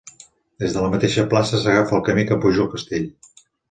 Des de la mateixa plaça s'agafa el camí que puja al castell.